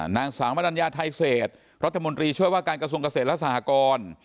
นางสาวมรัญญาไทยเศษรัฐมนตรีช่วยว่าการกระทรวงเกษตรและสหกร